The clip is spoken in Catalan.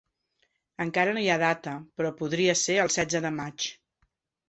Encara no hi ha data, però podria ser el setze de maig.